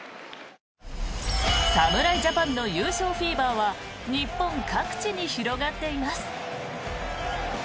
侍ジャパンの優勝フィーバーは日本各地に広がっています。